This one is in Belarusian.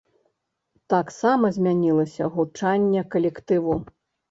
Таксама змянілася гучанне калектыву.